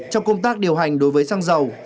trong công tác điều hành đối với xăng dầu